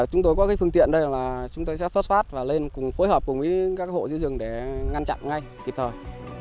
chúng tôi có cái phương tiện đây là chúng tôi sẽ phát và lên cùng phối hợp với các hộ giữ rừng để ngăn chặn ngay kịp thời